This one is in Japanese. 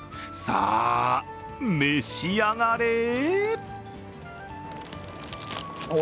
さあ、召し上がれ！